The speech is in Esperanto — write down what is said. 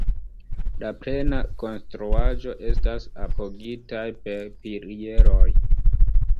La plena konstruaĵo estas apogitaj per pilieroj.